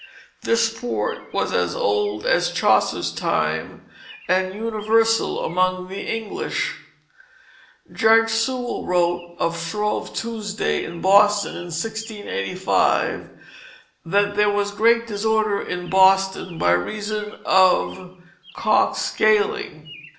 This sport was as old as Chaucer's time, and universal among the English. Judge Sewall wrote of Shrove Tuesday in Boston in 1685 that there was great disorder in Boston by reason of "cock skailing."